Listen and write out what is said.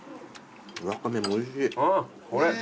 ワカメもおいしい。